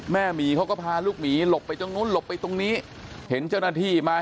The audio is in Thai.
หมีเขาก็พาลูกหมีหลบไปตรงนู้นหลบไปตรงนี้เห็นเจ้าหน้าที่มา